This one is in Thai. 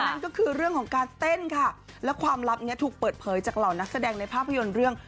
นั่นก็คือเรื่องของการเต้นค่ะและความลับเนี้ยถูกเปิดเผยจากเหล่านักแสดงในภาพยนตร์เรื่อง